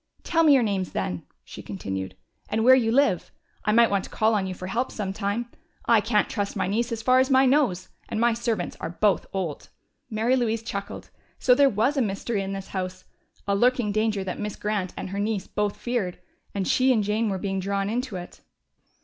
"Tell me your names, then," she continued, "and where you live. I might want to call on you for help sometime. I can't trust my niece as far as my nose, and my servants are both old." Mary Louise chuckled. So there was a mystery in this house! A lurking danger that Miss Grant and her niece both feared! And she and Jane were being drawn into it.